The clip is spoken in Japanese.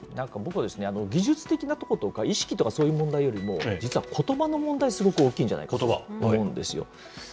僕は技術的なところとか、意識とか、そういう問題よりも、実はことばの問題、すごく大きいんじゃないかと思うんです。